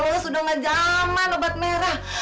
lo sudah gak jaman obat merah